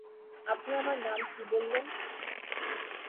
আপনি আপনার নাম কি বললেন?